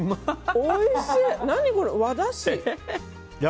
おいしい！